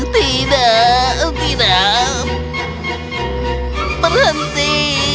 tidak tidak berhenti